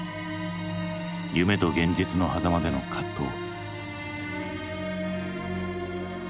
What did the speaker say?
夢と現実のはざまでの葛藤。